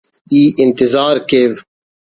ای انتظار کیو